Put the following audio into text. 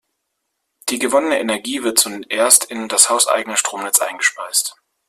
Die gewonnene Energie wird zuerst in das hauseigene Stromnetz eingespeist.